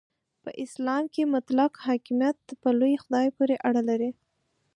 په اسلام کې مطلق حاکمیت په لوی خدای پورې اړه لري.